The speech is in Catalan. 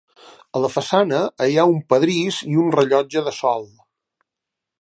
A la façana hi ha un pedrís i un rellotge de sol.